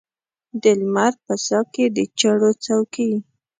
د لمر په ساه کې د چړو څوکې